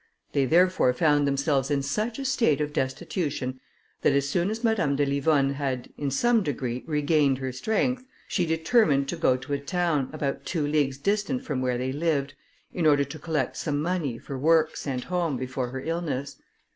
They therefore found themselves in such a state of destitution, that as soon as Madame de Livonne had, in some degree, regained her strength, she determined to go to a town, about two leagues distant from where they lived, in order to collect some money for work sent home before her illness.